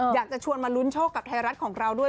อยากจะชวนมาลุ้นโชคกับไทยรัฐของเราด้วย